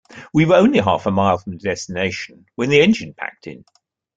We were only half a mile from the destination when the engine packed in.